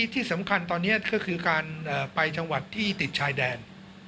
ที่สำคัญตอนนี้ก็คือการไปจังหวัดที่ติดชายแดน